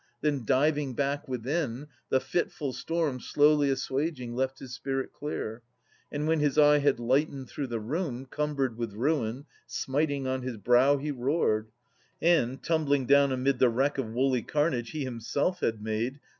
Then diving back within — the fitful storm Slowly assuaging left his spirit clear. And when his eye had lightened through the room Cumbered with ruin, smiting on his brow He roared; and, tumbling down amid the wreck Of woolly carnage he himself had made.